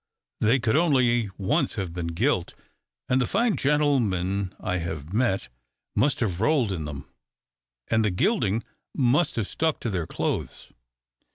They could only once have been gilt, and the fine gentlemen I have met must have rolled in them, and the gilding must have stuck to their clothes."